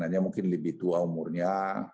hanya mungkin lebih tua umurnya